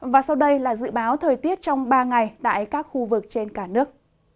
và sau đây là dự báo thời tiết trong ba ngày tại các khu vực trên cả nước